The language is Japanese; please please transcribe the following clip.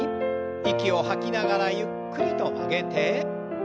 息を吐きながらゆっくりと曲げて。